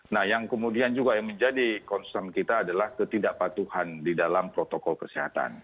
nah yang kemudian juga yang menjadi concern kita adalah ketidakpatuhan di dalam protokol kesehatan